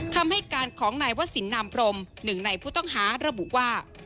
คำให้การของนายวสินนามพรมหนึ่งในผู้ต้องหาระบุว่า